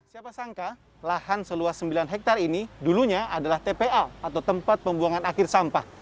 siapa sangka lahan seluas sembilan hektare ini dulunya adalah tpa atau tempat pembuangan akhir sampah